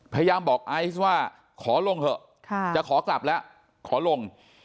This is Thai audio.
พยายามบอกไอซ์ว่าขอลงเถอะจะขอกลับแล้วขอลง